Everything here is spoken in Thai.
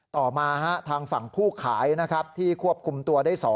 ต่อมาทางฝั่งผู้ขายนะครับที่ควบคุมตัวได้๒